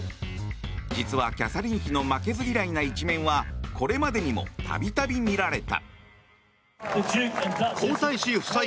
実は、キャサリン妃の負けず嫌いな一面はこれまでにも度々見られた。